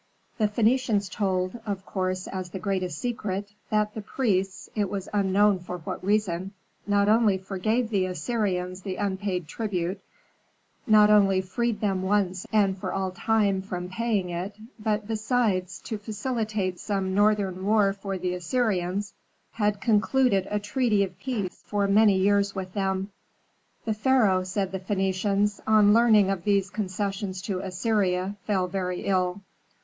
The Phœnicians told, of course as the greatest secret, that the priests, it was unknown for what reason, not only forgave the Assyrians the unpaid tribute, not only freed them once and for all time from paying it, but, besides, to facilitate some northern war for the Assyrians, had concluded a treaty of peace for many years with them. "The pharaoh," said the Phœnicians, "on learning of these concessions to Assyria fell very ill.